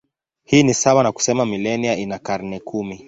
Hii ni sawa na kusema milenia ina karne kumi.